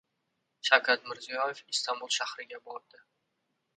Shavkat Mirziyoyev Istanbul shahriga bordi